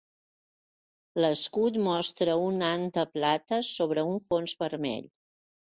L'escut mostra un ant de plata sobre un fons vermell.